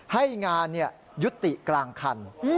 ให้งานยุติกลางคัน